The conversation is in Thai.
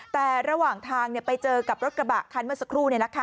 แต่ระหว่างทางไปเจอกับรถกระบะคันเมื่อสักครู่